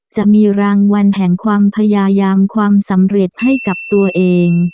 จะมีรางวัลแห่งความพยายามความสำเร็จให้กับตัวเอง